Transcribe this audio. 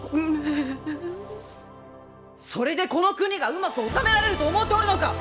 それでこの国がうまく治められると思うておるのか！